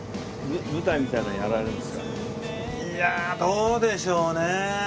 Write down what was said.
いやどうでしょうね。